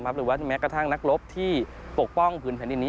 หรือว่าแม้กระทั่งนักรบที่ปกป้องผืนแผ่นดินนี้